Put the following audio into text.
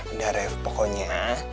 udah rev pokoknya